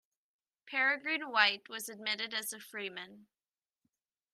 Peregrine White was admitted as a Freeman.